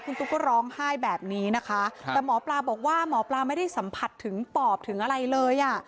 คุณตุ๊กก็ร้องไห้แบบนี้นะคะแต่หมอปลาบอกว่าหมอปลาไม่ได้สัมผัสถึงปอบถึงอะไรเลยอ่ะ